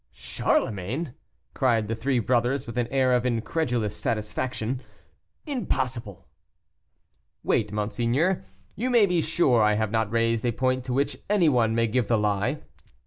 "Charlemagne!" cried the three brothers, with an air of incredulous satisfaction, "Impossible!" "Wait, monseigneur; you may be sure I have not raised a point to which any one may give the lie.